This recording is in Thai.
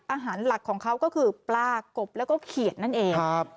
อาหารหลักของเขาก็คือปลากบแล้วก็เขียดนั่นเอง